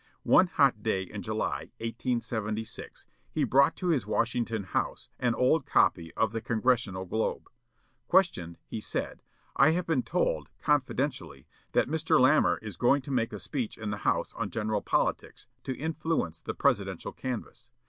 One hot day in July, 1876, he brought to his Washington house an old copy of The Congressional Globe. Questioned, he said, 'I have been told, confidentially, that Mr. Lamar is going to make a speech in the House on general politics, to influence the presidential canvass.